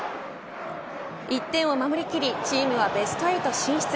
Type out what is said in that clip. １点を守りきりチームはベスト８進出。